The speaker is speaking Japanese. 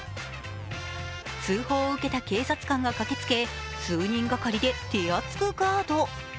通報を受けた警察官が駆けつけ、数人がかりで手厚くガード。